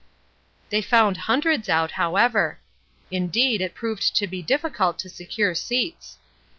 They found hundreds out, however. Indeed, it proved to be difficult to secure seats.